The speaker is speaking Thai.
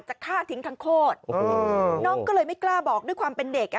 ฆ่าทิ้งทั้งโคตรน้องก็เลยไม่กล้าบอกด้วยความเป็นเด็กอ่ะ